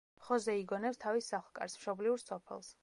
ხოზე იგონებს თავის სახლ-კარს, მშობლიურ სოფელს.